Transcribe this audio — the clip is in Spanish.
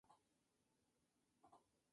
Jorge Enrique Zambrano Villa.